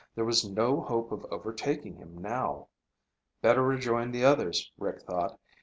There was no hope of overtaking him now. Better rejoin the others, Rick thought.